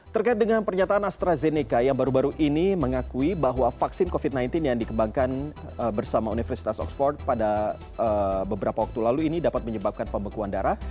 terkait dengan pernyataan astrazeneca yang baru baru ini mengakui bahwa vaksin covid sembilan belas yang dikembangkan bersama universitas oxford pada beberapa waktu lalu ini dapat menyebabkan pembekuan darah